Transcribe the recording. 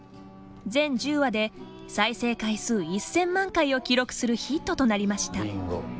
全１０話で再生回数１０００万回を記録するヒットとなりました。